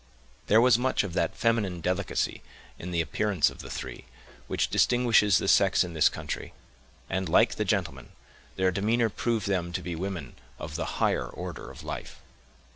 There was much of that feminine delicacy in the appearance of the three, which distinguishes the sex in this country; and, like the gentleman, their demeanor proved them to be women of the higher order of life.